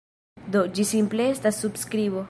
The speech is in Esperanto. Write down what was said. Do, ĝi simple estas subskribo.